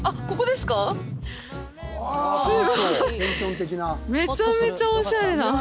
すごい！めちゃめちゃおしゃれな。